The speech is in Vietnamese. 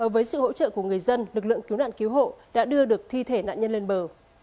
với sự hỗ trợ của người dân lực lượng cứu nạn cứu hộ đã đưa được thi thể nạn nhân lên bờ